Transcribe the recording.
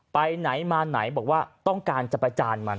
ไปไหนมาไหนบอกว่าต้องการจะประจานมัน